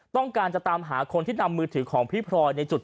ต้องการจะตามหาคนที่นำมือถือของพี่พลอยในจุด